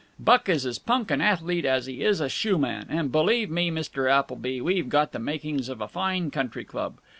Buck is as punk an athlete as he is a shoeman, and, believe me, Mr. Appleby, we've got the makings of a fine country club.